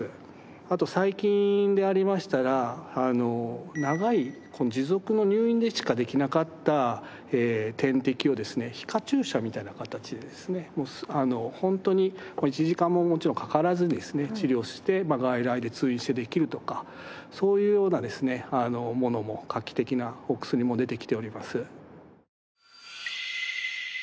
あと最近でありましたら長い持続の入院でしかできなかった点滴をですね皮下注射みたいな形で本当に１時間ももちろんかからずにですね治療して外来で通院してできるとかそういうようなものも画期的なお薬も出てきております。